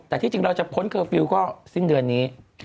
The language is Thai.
แต่ที่จริงเราจะพ้นเคอร์ฟิลล์ก็สิ้นเดือนนี้